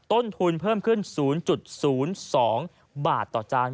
ต้นทุนเพิ่มขึ้น๐๐๒บาทต่อจาน